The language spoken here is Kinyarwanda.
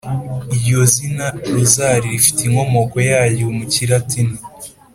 iryo zina rozali rifite inkomoko yaryo mu kilatini